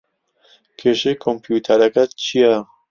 کێشەی کۆمپیوتەرەکەت چییە؟